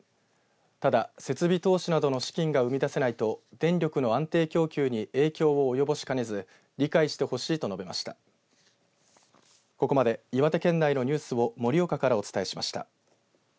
ただ設備投資などの資金が生み出せないと電力の安定供給に影響を及ぼしかねず理解してほしいと述べました。